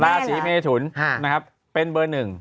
ราศีเมทุนนะครับเป็นเบอร์หนึ่ง